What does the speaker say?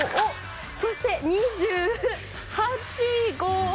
そして、２８号。